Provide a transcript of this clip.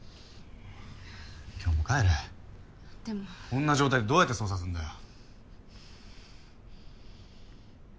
こんな状態でどうやって捜査すんだよ。